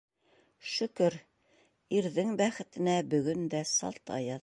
Шөкөр, ирҙең бәхетенә бөгөн дә салт аяҙ.